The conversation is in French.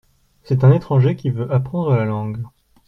C’est un étranger qui veut apprendre la langue.